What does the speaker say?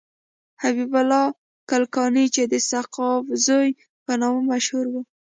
حبیب الله کلکانی چې د سقاو زوی په نامه مشهور و.